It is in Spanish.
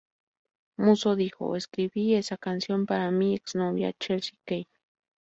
Musso dijo: "Escribí esa canción para mi ex-novia, Chelsea Kay.